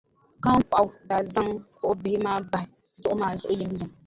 Kahiŋkɔɣu daa zaŋ kuɣʼ bihi maa bahi duɣu ma zuɣu yimyim.